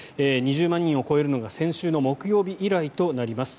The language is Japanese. ２０万人を超えるのが先週の木曜日以来となります。